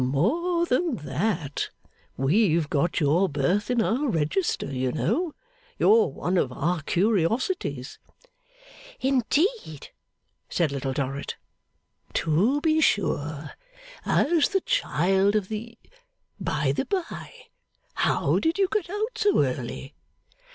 'More than that, we've got your birth in our Register, you know; you're one of our curiosities.' 'Indeed!' said Little Dorrit. 'To be sure. As the child of the by the bye, how did you get out so early?